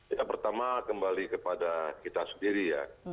ya pertama kembali kepada kita sendiri ya